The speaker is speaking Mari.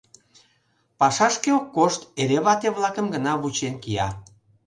Пашашке ок кошт; эре вате-влакым гына вучен кия.